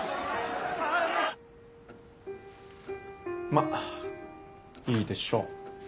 まっいいでしょう。